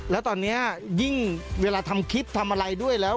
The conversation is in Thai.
แล้วตอนนี้ยิ่งเวลาทำคลิปทำอะไรด้วยแล้ว